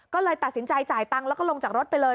ก็เลยตัดสินใจจ่ายตังค์แล้วก็ลงจากรถไปเลย